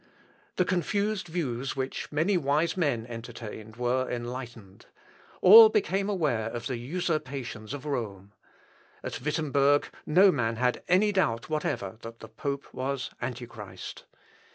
The confused views which many wise men entertained were enlightened. All became aware of the usurpations of Rome. At Wittemberg, no man had any doubt whatever, that the pope was Antichrist.